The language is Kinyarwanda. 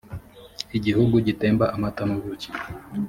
igihugu gitemba amata n’ubuki,